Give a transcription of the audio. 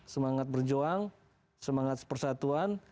semangat berjuang semangat persatuan